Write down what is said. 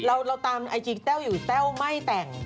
เราตามไอจีแต้วอยู่แต้วไม่แต่ง